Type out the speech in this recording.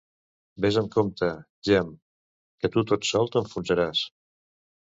Vés amb compte, Gem, que tu tot sol t'enfonsaràs.